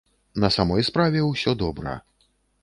На самой справе ўсё добра.